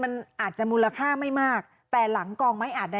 มันอาจจะมูลค่าไม่มากแต่หลังกองไม้อาจใด